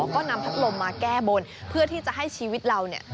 ก็นำพัดลมมาแก้บนเพื่อที่จะให้ชีวิตเราเนี่ย